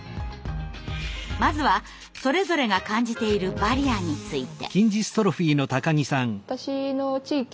まずはそれぞれが感じているバリアについて。